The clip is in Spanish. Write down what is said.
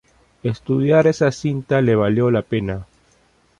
Estudiar esa cinta le valió la pena.